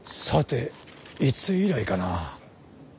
さていつ以来かな。